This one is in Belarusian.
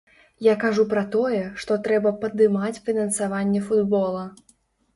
Я кажу пра тое, што трэба падымаць фінансаванне футбола.